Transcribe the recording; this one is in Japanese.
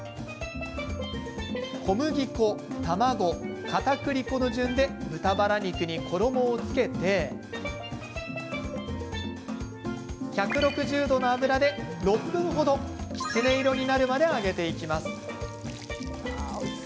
小麦粉、卵、かたくり粉の順で豚バラ肉に衣をつけて１６０度の油で６分程きつね色になるまで揚げていきます。